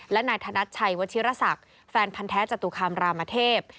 และนายธนัชชัยวชิรษักแฟนพันธ์แท้จตุคามรามเทพ